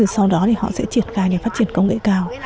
sau đó thì họ sẽ triển khai để phát triển công nghệ cao